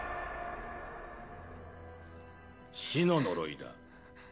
死の呪いだ